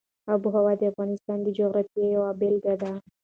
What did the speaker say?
آب وهوا د افغانستان د جغرافیې یوه بېلګه ده.